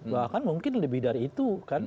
bahkan mungkin lebih dari itu kan